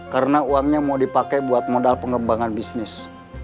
karena uangnya mau dipakai buat modal pengembangan bisnis